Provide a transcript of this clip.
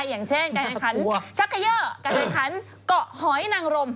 อย่างเช่นการแข่งขันชักเกยอร์การแข่งขันเกาะหอยนางรม